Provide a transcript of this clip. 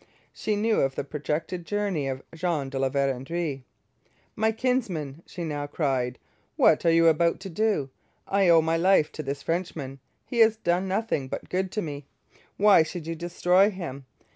She knew of the projected journey of Jean de La Vérendrye. 'My kinsmen,' she now cried, 'what are you about to do? I owe my life to this Frenchman. He has done nothing but good to me. Why should you destroy him?